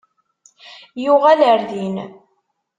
Yuɣal ar din.